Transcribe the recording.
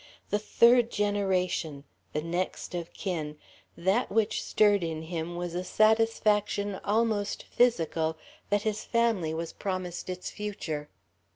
The third generation; the next of kin, that which stirred in him was a satisfaction almost physical that his family was promised its future.